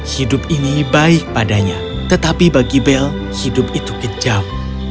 hidup ini baik padanya tetapi bagi bel hidup itu kejam